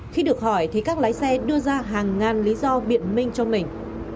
khi được hỏi thì các lái xe đưa ra hàng ngàn lý do biện minh cho mình